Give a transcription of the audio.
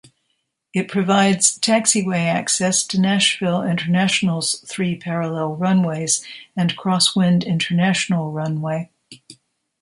It provides taxiway access to Nashville International's three parallel runways and crosswind international runway.